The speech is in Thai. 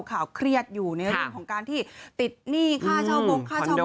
ข่าวเครียดอยู่ในเรื่องของการที่ติดหนี้ค่าเช่าบงค่าเช่า